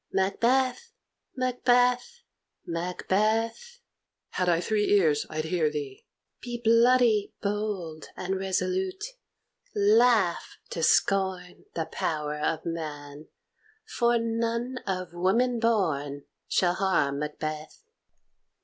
"Macbeth! Macbeth! Macbeth!" "Had I three ears, I'd hear thee." "Be bloody, bold, and resolute; laugh to scorn The power of man, for none of woman born Shall harm Macbeth."